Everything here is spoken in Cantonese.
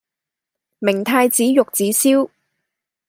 明太子玉子燒